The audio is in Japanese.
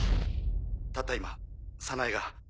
たった今早苗が。